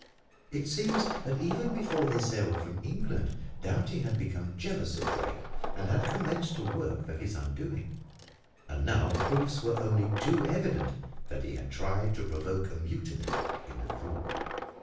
It seems that even before they sailed from England, Doughty had become jealous of Drake and had commenced to work for his undoing. And now proofs were only too evident that he had tried to provoke a mutiny in the crew.